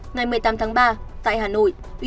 ngày một mươi tám tháng ba tại hà nội